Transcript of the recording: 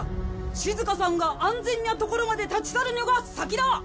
しずかさんが安全ニャ所まで立ち去るニョが先だ！